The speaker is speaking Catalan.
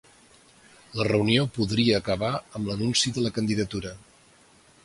La reunió podria acabar amb l'anunci de la candidatura